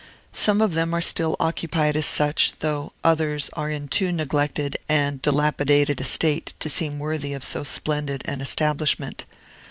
Some of them are still occupied as such, though others are in too neglected and dilapidated a state to seem worthy of so splendid an establishment.